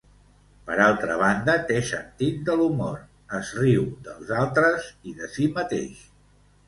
Per altra banda té sentit de l'humor, es riu dels altres i de si mateix.